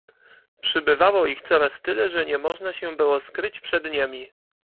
"Przybywało ich coraz tyle, że nie można się było skryć przed niemi."